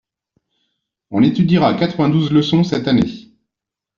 On étudiera quatre-vingt-douze leçons cette année.